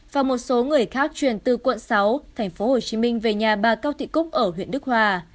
và một số người khác chuyển từ quận sáu tp hcm về nhà bà cao thị cúc ở huyện đức hòa